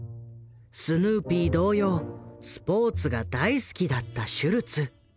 スヌーピー同様スポーツが大好きだったシュルツ。